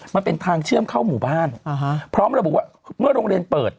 มันเป็นทางเชื่อมเข้าหมู่บ้านพร้อมระบุว่าเมื่อโรงเรียนเปิด